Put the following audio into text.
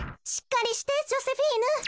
しっかりしてジョセフィーヌ。